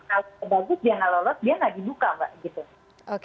kalau bagus dia tidak lolos dia tidak dibuka mbak